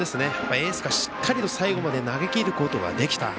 エースがしっかりと最後まで投げきることができた。